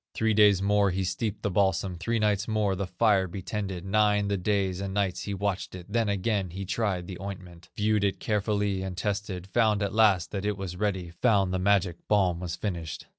Three days more he steeped the balsam, Three nights more the fire he tended, Nine the days and nights he watched it, Then again he tried the ointment, Viewed it carefully and tested, Found at last that it was ready, Found the magic balm was finished.